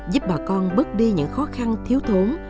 giúp bà con bớt đi những khó khăn thiếu thốn